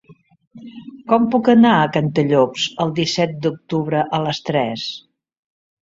Com puc anar a Cantallops el disset d'octubre a les tres?